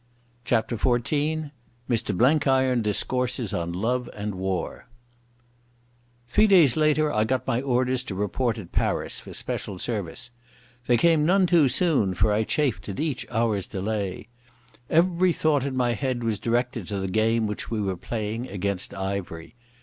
CHAPTER XIV Mr Blenkiron Discourses on Love and War Three days later I got my orders to report at Paris for special service. They came none too soon, for I chafed at each hour's delay. Every thought in my head was directed to the game which we were playing against Ivery.